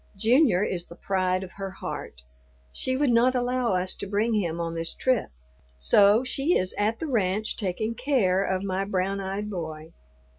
Junior is the pride of her heart. She would not allow us to bring him on this trip, so she is at the ranch taking care of my brown eyed boy.